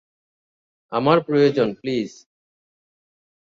আমার প্রয়োজন, প্লিজ।